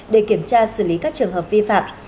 để kiểm tra xử lý các trường hợp vi phạm